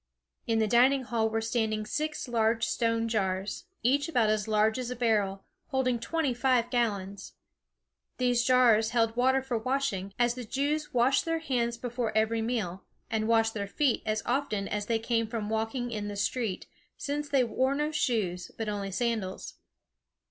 In the dining hall were standing six large stone jars, each about as large as a barrel, holding twenty five gallons. These jars held water for washing, as the Jews washed their hands before every meal, and washed their feet as often as they came from walking in the street, since they wore no shoes, but only sandals.